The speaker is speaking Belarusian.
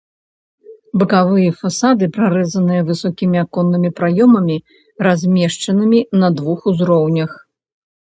Бакавыя фасады прарэзаныя высокімі аконнымі праёмамі, размешчанымі на двух узроўнях.